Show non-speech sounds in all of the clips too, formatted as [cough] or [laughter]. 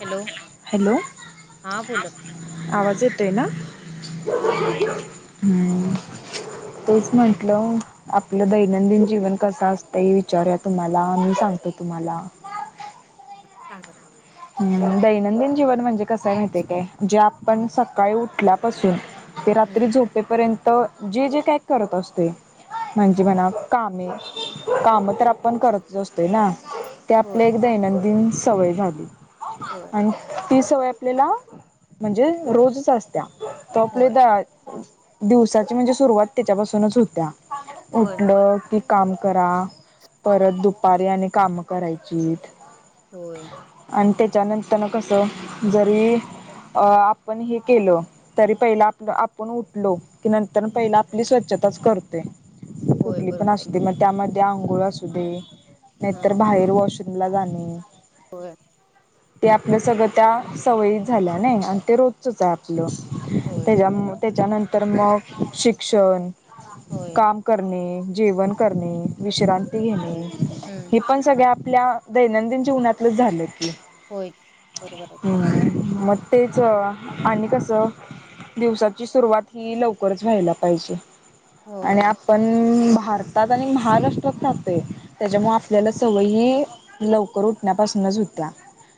Hello hello हा बोलत आवाज येत आहे ना... हा येतोय हम्म तेच म्हटलं आपलं दैनंदिन जीवन कस असतंय विचारुया तुम्हाला मी सांगतो. तुम्हाला.. सांगा. हम दैनंदिन जीवन म्हणजे कस माहिती काय? जे हम्म आपण सकाळी उठल्या.. पासून.. ते हम्म रात्री झोपेपर्यंत.. तर जे जे काय करत असतोय. हम्म म्हणजी म्हणा.... कामे काम तर आपण करत असतोय ना. ते आपलं होय एकदा दैनंदिन... सवय झाली. होय आणि... ती सवय आपल्याला म्हणजे रोजच असतीया. टोपलीत होय धरायची दिवसाची म्हणजे सुरुवात त्याच्यापासूनच होतिया होय उठलं कि.. काम करा परत दुपारी आणि कामं करायची होय. आणि त्याच्यानंतर कसं जरी अ आपण हे केलं तरी पहिला आपलं आपण उठलो की नंतर हम्म पहिला आपली स्वच्छ ताच करतोये. होय कुठली पण बरोबर आहे अस मग त्यामध्ये त्या अंघोळ असू दे नाही तर ह बाहेर वॉश लगण ये. होय. ते आपलं सगळं त्या सवयीत झाल्या नाही आणि ते रोजचच आहे आपलं होय ते जम त्याच्यानंतर मग शिक्षण होय काम करणे जेवण करणे विश्रांती घेणे हम्म हे पण सगळ्या आपल्या दैनंदिन जीवनातलंच झालं की होय बरोबर आहे हम्म मग तेच आणि कसं दिवसाची सुरुवात ही लवकरच व्हायला पाहिजे आणि होय आपण भारतात आणि महाराष्ट्रात राहतो त्याच्यामुंळ आपल्याला सवयी ही लवकर उठण्यापासूनच होत त्या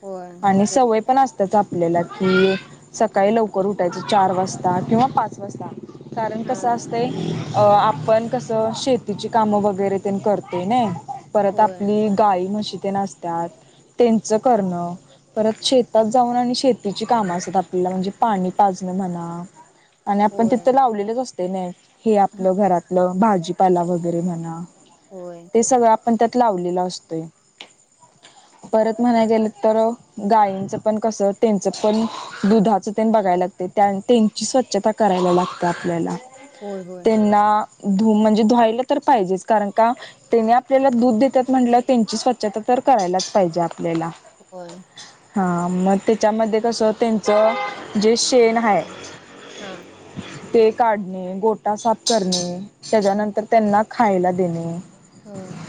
होय आणि बरोबर सवय आहे पण असत्या आपल्याला कि सकाळी लवकर उठायचं चार वाजता किंवा पाच वाजता कारण हा कसं असतय अ आपण कसं शेतीची कामं वगैरे ते करतो नइ परत होय आपली गाई म्हशी तेन असत्यात त्यांच करणं परत शेतात जाऊन आणि शेतीची काम असत आपल्याला म्हणजे पाणी पाजणं म्हणा आणि आपण होय तिथं लावलेलंच अस तेने. हे हा आपलं घरातलं भाज भाजीपाला वगैरे म्हणा होय ते सगळ- पण त्यात लावलेला असतोय परत म्हणाय गेलं तर गायींचं पण कस त्यांच पण दुधाच ते बघायला लागते त्यांची स्वच्छता करायला लागते आपल्याला होय होय त्यांना धु म्हणजे धुवायला तर पाहिजेच कारण का त्यांनी आपल्याला दूध देतात म्हटलं त्यांची स्वच्छता तर करायलाच करायलाच ला होय हा मग त्याच्यामध्ये कसं त्यांच जे शेण हाय हा ते काढणे गोटा साफ करणे त्याच्यानंतर त्यांना खायला देणे होम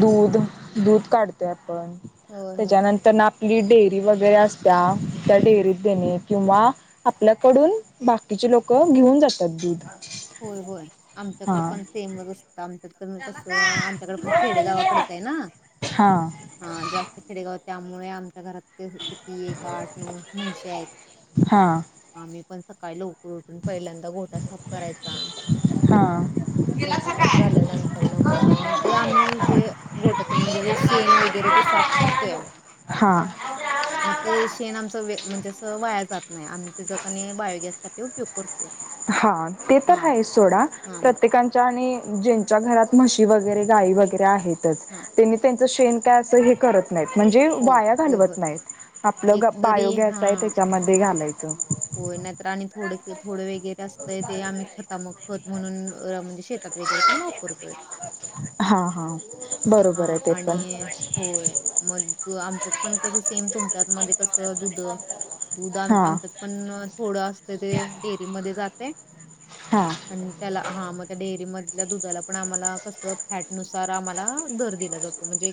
दूध दूध काढते आपण होय होय त्याच्यानंतर ना डेअरी वगैरे अस त्या हम्म डेअरीत कनि किंवा आपल्याकडून बाकीचे लोक घेऊन जातात दूध होय होय आमच्याकड हा पण सेम असतं म कसं आमच्याकडे पण हा खेडेगावाकडेच आहे ना हा हा जास्त खेडेगावात त्यामुळे आमच्या घरात किती एक आठ नऊ महिसे आहेत आम्ही पण स काय लवकर उठून पहिल्यांदा घोटा करायचा गोटा साप हा झाल्यानंतर ना मग जे आम्ही जे गोट्यातून म्हणजे ते शेण वगैरे ते साफ करतो या हा मग ते शेण आमचा व म्हणजे अस वाया जात नाही आम्ही ते जगने बायोगॅस साठी उपयोग करतोय हा ते तर हा आहे सोडा हा मग प्रत्येकच्या आणि ज्यांच्या घरात म्हशी वगैरे गाय वगैरे आहेत.. हा त्यांनी शेण काय असं हे करत.. म्हणजे होय वाया होय होय घालवत नाहीत आपलं एक बायोगॅस आहे त्याच्यामध्ये घालायच. तर हो नाहीत आणि थोड थोडे वेग. अस ते आम्ही खतामक म्हणून म्हणजे शेतात वगैरे पण वापरतोय. हा हा बरोबर हां आहे ते आणि पण होय. मग आमच्यात पण कसं सेम तुमच्यात मध्ये कसं दुध. हा [unintelligible] पन.. थोडं असत ते डेअरी मध्ये जाते. हा आणि त्याला... हा मग त्या डेअरी मधल्या दुधाला पण आम्हाला कसं फॅटनुसार आम्हाला दर दिला जातो म्हणजे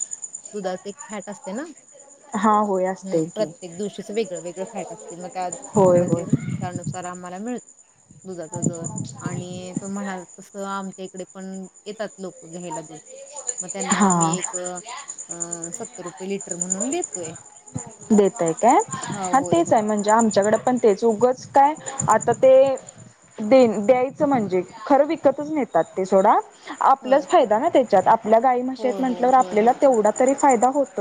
दुधाच एक फॅट असते ना.. हा होय असतय हम्म की प्रत्येक दिवशीच वेगळं वेगळं फॅट असतील मग त्या.. होय म्हणजे होय त्यानुसार आम्हाला.. मिळ.. [unintelligible] दुधाचा दर आणि तो म्हणाल तस आम [unintelligible] पण येतात लोक.. घ्यायला दूध मग त्यांना आम्ही हा एक अ सत्तर रुपये लिटर म्हणून देतोय देतय हा काय होय तेच होय म्हणजे आमच्याकडं पण त्याच उगच काय आता ते देईन द्यायचं म्हणजे खर विकतच नेतात ते सोडा.. होय आपलाच फायदा ना ते.. जत आप [unintelligible] आपल्या गाई म्हशीयेत होय होय म्हंटल्यावर होय आपल्याला होय तेवढा तरी.. फायदा होत..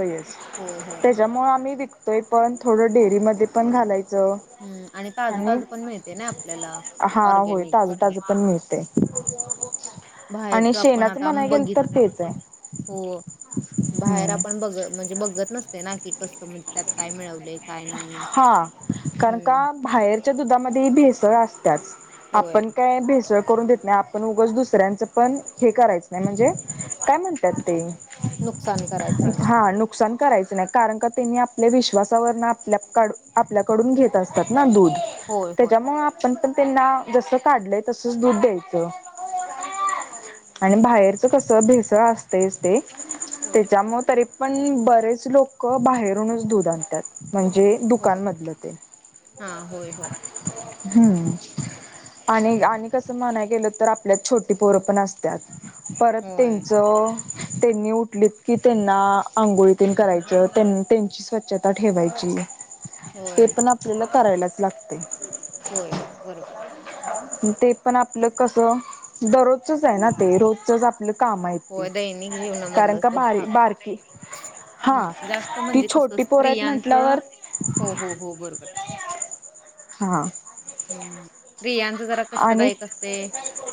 होय होय होय त्याच्यामुळे आम्ही तोय पण थोडं डेअरी मध्ये पण घालाय हम् आणि ताज ताज पण मिळते ना आपल्याला हा होय ऑर्गॅनिक ताजं सगळं ताजं पण मिळते बाहेरच.. आणि पण शेणाचं आता म्हणाय गेल बघित तर तेच आहे हो बाहेर हम्म आपण बघ म्हणजे.. बघत नसते ना की कस म्हणजे त्यात काय मिळवलय. हा कारण का बाहेर च्या दुधामध्ये भेसळ असत्यात होय आपण काय भेसळ करून देत नाही आपण उगच दुसऱ्यांचं पण हे करायचं नाही म्हणजे काय म्हणत्यात ते नुकसान करायचं नाही करायच नाही कारण का त्यांनी आपल्या विश्वासावर ना लेपर्कड [unintelligible] आपल्याकडून घेत असतात ना दूध होय होय. त्याच्यामुळ आपण पण त्यांना जस काढलंय तसच दूध द्यायचं आणि बाहेरच कस भेसळ असतय ते ते होय जाम्मो तरी प [unintelligible] पण बरेच लोकं बाहेरूनच दधू आणतात. म्हणजे होय दुकानमधलं ते हा होय होय हम्म आणि आणि कसं म्हणाय गेलं तर आपल्यात छोटी पोरं पण असत्याात. परत होय त्यांचं त्यांनी उठलीत की त्यांना आंघोळीतीन करायच त्यांची स्वच्छता ठेवायची. तेे होय पण आपल्याला करायलाच लागते. होय हो बरोबर ते पण आपलं कस दररोजच आहे ना ते रोजचच आप काम आहे ती होय दैनिक कारण जीवनामधला का तो बारी भाग बारथी हा ती छोटी पोर येत. त्यांच हो हो हो बरोबर ये हा हम्म स्त्रियांच जरा आणि कष्टदायीक असते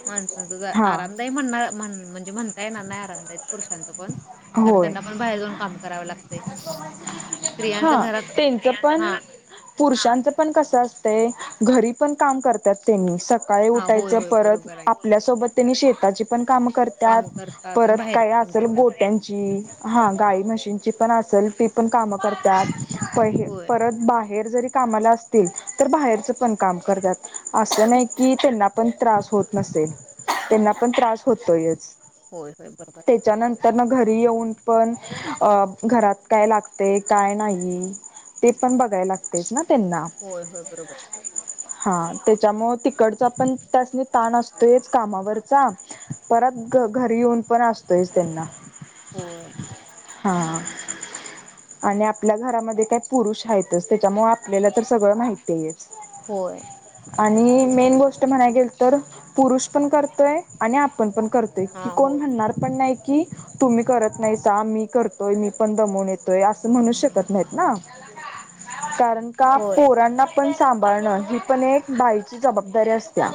माणसांच ज हा आरामदायी म्हण म्हण म्हणजकी म्हणता येणार नाय [unintelligible] पण कारण होय त्यांना पण बाहेर जाऊन काम [unintelligible] लागते स्त्रियांच हा घरात त्यांच पण हा पुरुषांचं पण कसं असतये घरी पण काम करतात त्यांनी स काळी हा उठायच होय होय परत बरोबर आहे आपल्यासोबत त्यांनी शेताची पण काम करत्यात काम करतात आणि परत बाहेर काय पण असल करतात गोठ्यांची हा गाय म्हशीनची असल ती पण काम करतात. होय परत बाहेर जरी कामाला असतील तर बाहेरच पण काम करतात. असं नाही की त्यांना पण त्रास होत नसेल. त्यांना पण त्रास होतोय होय होय बरोबर आहे त्याच्यानंतर घरी येऊन. पण घरात काय लागते काय नाही ते पण बघाय लागतेच ना. त्यांना होय होय बरोबर आहे. हा त्याच्यामु तिकडचा पण त्याने ताण असतोयच. कामावरचा परत घ घरी येऊन पण असतोय. त्यांना होय. हा. आणि आपल्या घरामध्ये काही पुरुष आहेतच त्याच्यामुळे आपल्याला तर सगळं माहिती आहेच. होय. आणि मेन गोष्ट म्हणाय गेल तर पुरुष पण करतोय. आणि आपण पण कर की हा कोण होय. म्हणणार पण नाही. की तुम्ही करत नाहीसा आम्ही करतोय मी. पण दमून येतोय अस म्हणू शकत नाही ना. कारण का होय. पोरांना. पण सांभाळण ही पण एक बाईची जबाबदारी असत्या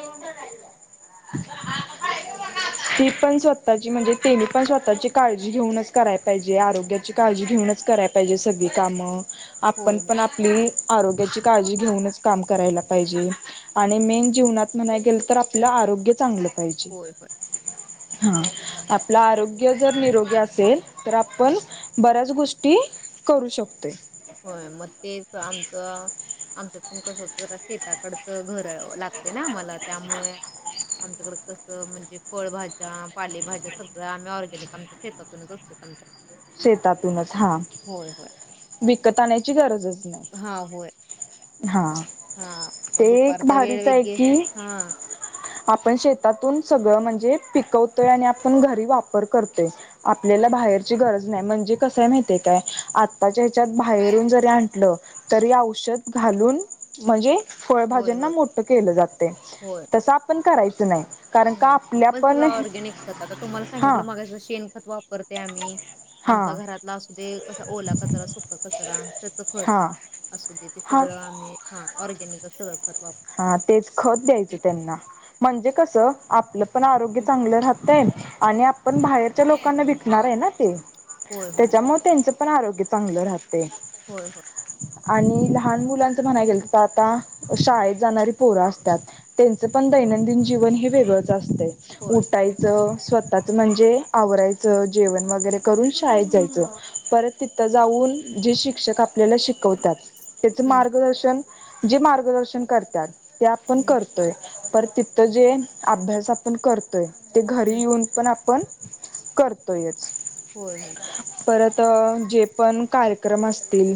ती पण स्वतःची म्हणजे तेनी पण स्वतःची काळजी घेऊनच करायला पाहिजे आरोग्याची. काळजी घेऊनच कराय पाहिजे सगळी कामं. आपण होय होय पण आपली. आरोग्याची काळजी घेऊनच काम करायला पाहिजे आणि मेन जीवनात म्हणाय गेल तर आपलं आरोग्य चांगलं. पाहिजे. होय होय हा आपलं आरोग्य जर निरोगी असेल तर आपण. बऱ्याच गोष्टी करू शकतोय. होय मग तेच आमच आमच पण कस शेताकडचं घर लागते ना आम्हाला त्यामुळे आमच्याकड कसं म्हणजे फळभाज्या पालेभाज्या सगळं आम्ही ऑर्गॅनिक आमच्या शेतातूनच असत. शेतातूनच हा. होय होय विकत आणायची गरजच नाही. हा होय हा हा म ते एक दुपारचा वेळ भारीच आहे वेगे की हा... आपण शेतातून सगळं म्हणजे पिकवतोय आणि आपण घरी वापर करतोय आपल्याला बाहेरची गरज. म्हणजे कसयं माहितेय काय आ... काय बाहेरून जरी आणलं. तरी औषध घालून म्हणजे. होय फळभाज्यांना होय मोठं केलं जातय. होय. तसं आपण करायचं. च नाही. कारण का हम्म, आपल्या आपण सगळं पण ऑर्गॅनिक खत आता तुम्हाला हा सांगितलं मागा शेण खत. करते आम्ही हा आमचा घरातला असू दे. कसा ओला कचरा सुका कचरा. का? त्याचं खत हा असू दे ते हा सगळं आम्ही हा ऑरगॅनिकचं सगळं खत घालतो. हा तेच खत द्यायचं त्यांना म्हणजे कसं च आपलं. पण आरोग्य चांगलं राहत. तेण आणि आप. पण बाहेरच्या लोकांना विकणार आहे ना ते होय होय त्याच्यामुळे त्यांच. पण आरोग्य चांगलं राहतंय होय होय. आणि लहान मुलांच म्हणायं गेल तर आता शाळेत. [inaudible] पोरं असत्यात त्यांच पण दैनंदिन जीवन हे वेगळं असं असतंय होय. उटायचं स्वतःच म्हणजे आवरायचं जेवण वगैरे करून शाळेत जायचं हम्म परत तिथं जाऊन जे शिक्षक आपल्याला शिकवत त्याच हम्म मार्गदर्शन जे मार्गदर्शन करत त्यातं ते आपण करतोय परत तिथं जे अभ्यास आपण करतोय ते घरी हम्म येऊन पण आप पण करतोयंच होय होय परत जे पण कार्यक्रम असतील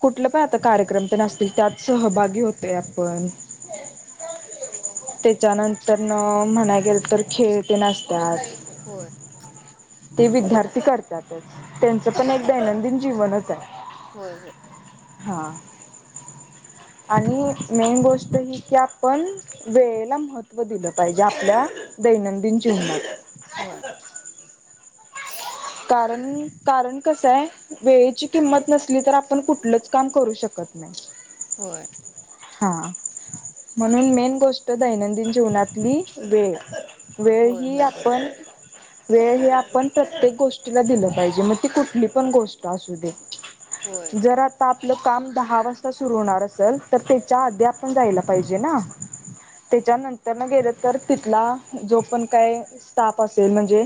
कुठलं पण आता कार्यक्रम तेण असतील त्यात सहभागी होतयं आपण पण त्याच्यानंतर न म्हणायं गेलं तर खेळ तेण असतात होय ते विद्यार्थी करत्यातचं त्यांचं पण एक दैनंदिन जीवनच आहे. होय होय हा आणि मेन गोष्ट ही की आपण वेळेला महत्त्व दिलं पाहिजे आपल्या दैनंदिन जीवनात‍‍ होय [unintelligible] कारण कारण कसं आहे वेळेची किंमत नसली तर आपल्या आपण कुठलंच काम करू शकतं शकतं नाही होय हा म्हणून मेन गोष्ट दैनंदिन जीवनातली वेळ वेळ होय ही होय बरोबर आपण वेळ हही आपण प्रत्येक गोष्टीला दिलं पाहिजे मग ती कुठली पण गोष्ट असू दे होय जरा त आपलं काम दहा वाजता सुरू होणार असेल तर त्याच्या आधी आपण जायला पाहिजे ना त्याच्यानंतर न गेलं तर तिथला जो पण काय स्टाफ असेल म्हणजे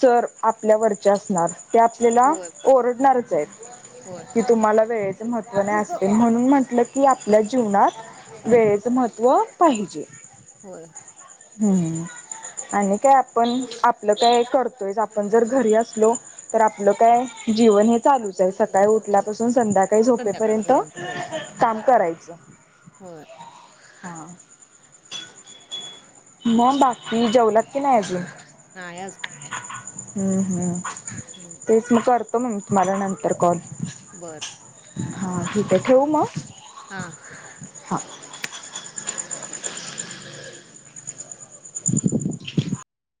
सर आपल्यावरचे असणार ते आपल्याला होय ओरडणारच आहेत होय की तुम्हाला वेळेच महत्त्व नाही असते म्हणून म्हटलं कि आपल्या जीवनात वेळेचं महत्त्व पाहिजे होय हम् आणि काय आपण आपलं काय करतोय आप आपण जर घरी असलो तर आपलं काय जीवन हे चालूच आहे सकाळी उठल्यापासून संध्याकाळी काही झोपेपर्यंत संध्याकाळपर्यंत काम करायचं अच्छ हो हा मग बाकी जेवलात की नाही अजून नाही अजून हम्म हम्म ते इन करर स् मरनंतर कॉल बरं हा ठिकाय ठेवू मग हा हा [inaudible]